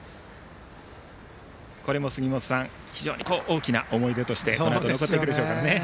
これも杉本さん、非常に大きな思い出として残っていくでしょうね。